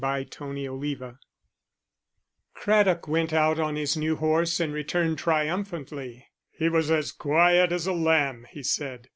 Chapter XV Craddock went out on his new horse and returned triumphantly. "He was as quiet as a lamb," he said.